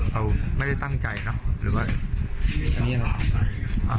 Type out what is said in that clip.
เขาไม่ได้ตั้งใจนะหรือว่า